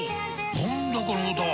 何だこの歌は！